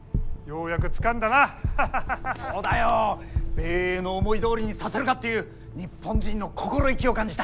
米英の思いどおりにさせるかっていう日本人の心意気を感じた。